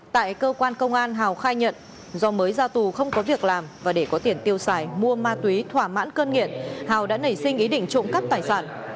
tại cơ quan công an hào khai nhận do mới ra tù không có việc làm và để có tiền tiêu xài mua ma túy thỏa mãn cơn nghiện hào đã nảy sinh ý định trộm cắp tài sản